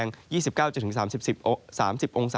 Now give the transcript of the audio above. ในแต่ละพื้นที่เดี๋ยวเราไปดูกันนะครับ